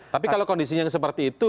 tapi kalau kondisinya seperti itu